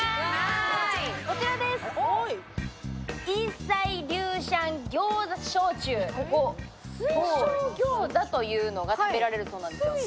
溢彩流香餃子小厨、ここ水晶餃子というのが食べられるそうです。